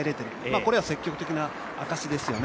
これは積極的な証しですよね。